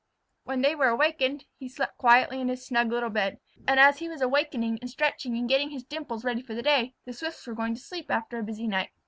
When they were awakened he slept quietly in his snug little bed, and as he was awakening, and stretching, and getting his dimples ready for the day, the Swifts were going to sleep after a busy night.